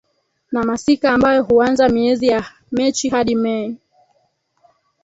na Masika ambayo huanza miezi ya Machi hadi Mei